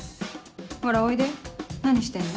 ほらおいで何してんの？